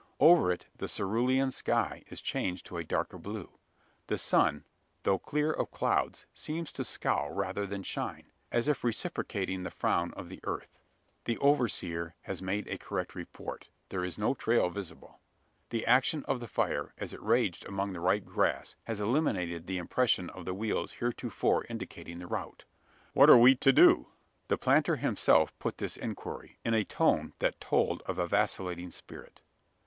Over it the cerulean sky is changed to a darker blue; the sun, though clear of clouds, seems to scowl rather than shine as if reciprocating the frown of the earth. The overseer has made a correct report there is no trail visible. The action of the fire, as it raged among the ripe grass, has eliminated the impression of the wheels hitherto indicating the route. "What are we to do?" The planter himself put this inquiry, in a tone that told of a vacillating spirit.